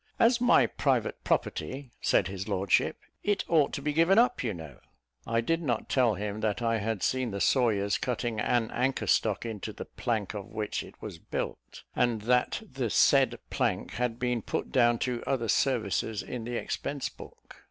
"As my private property," said his lordship, "it ought to be given up, you know." I did not tell him that I had seen the sawyers cutting an anchor stock into the plank of which it was built, and that the said plank had been put down to other services in the expense book.